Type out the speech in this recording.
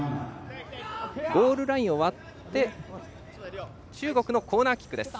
ゴールラインを割って中国のコーナーキック。